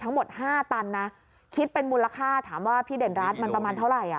ทั้งหมด๕ตันนะคิดเป็นมูลค่าถามว่าพี่เด่นรัฐมันประมาณเท่าไหร่อ่ะ